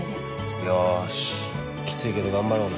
よしキツいけど頑張ろうな。